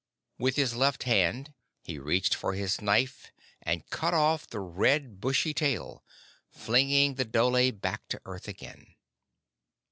With his left hand he reached for his knife and cut off the red, bushy tail, flinging the dhole back to earth again.